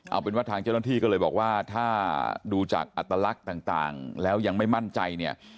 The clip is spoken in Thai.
เอาเป็นว่าทางเจ้าหน้าที่ก็เลยบอกว่าถ้าดูจากอัตลักษณ์ต่างแล้วยังไม่มั่นใจเนี่ย